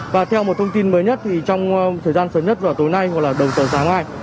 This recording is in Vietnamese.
và theo một thông tin mới nhất thì trong thời gian sớm nhất vào tối nay hoặc là đồng thời sáng mai